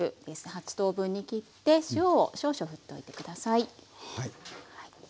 ８等分に切って塩を少々ふっておいて下さい。